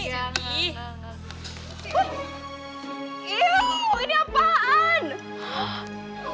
iyuh ini apaan